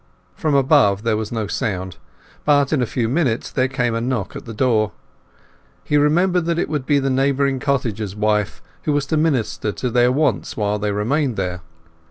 From above there was no sound; but in a few minutes there came a knock at the door. He remembered that it would be the neighbouring cottager's wife, who was to minister to their wants while they remained here.